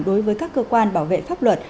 đối với các cơ quan bảo vệ pháp luật